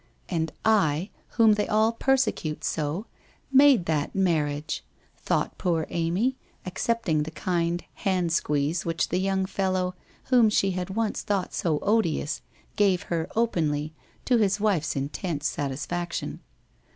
1 And I, whom they all persecute so, made that mar riage!' thought poor Amy, accepting the kind hand squeeze which the young fellow, whom she had once thought so odious, gave her openly, to his wife's intense satisfaction.